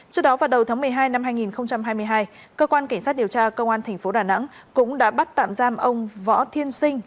trước đó vào đầu tháng một mươi hai năm hai nghìn hai mươi hai cơ quan cảnh sát điều tra công an tp đà nẵng cũng đã bắt tạm giam ông võ thiên sinh